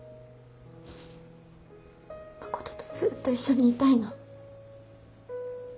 誠とずっと一緒にいたいの。